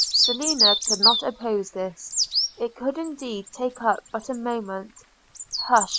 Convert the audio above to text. Selina could not oppose this; it could indeed take up but a moment – 'Hush!'